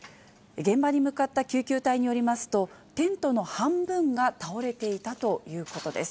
現場に向かった救急隊によりますと、テントの半分が倒れていたということです。